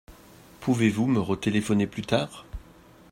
Pouvez-vous me retéléphoner plus tard ?